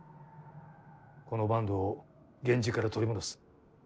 この坂東を源氏から取り戻す。